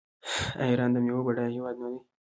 آیا ایران د میوو بډایه هیواد نه دی؟